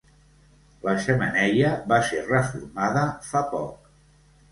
La xemeneia va ser reformada fa poc.